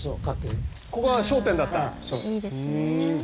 「いいですね」